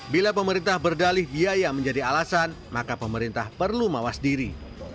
bila pemerintah berdalih biaya menjadi alasan maka pemerintah perlu mawas diri